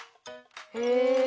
へえ！